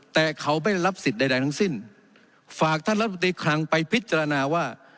แต่เขาไม่รับสิทธิ์ใดทั้งสิ้นฝากท่านรัฐมนตรีคลังไปพิจารณาว่า